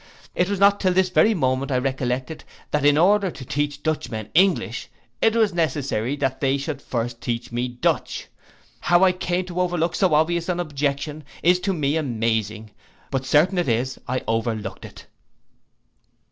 It was not till this very moment I recollected, that in order to teach Dutchmen English, it was necessary that they should first teach me Dutch. How I came to overlook so obvious an objection, is to me amazing; but certain it is I overlooked it.